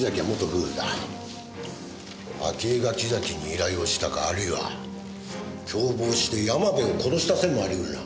明恵が木崎に依頼をしたかあるいは共謀して山辺を殺した線もありうるな。